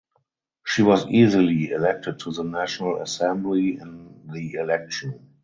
She was easily elected to the National Assembly in the election.